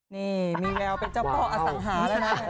นี่บีวเวลว์เป็นเจ้าปลอสังหา